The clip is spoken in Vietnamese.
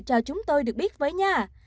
cho chúng tôi được biết với nhé